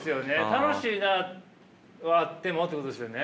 楽しいなはあってもってことですよね。